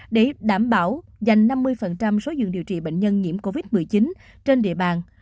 để đảm bảo dành năm mươi số giường điều trị bệnh nhân nhiễm covid một mươi chín trên địa bàn